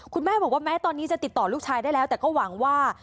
คุณแม่บอกว่าแม้ตอนนี้จะติดต่อลูกชายได้แล้วแต่ก็หวังว่า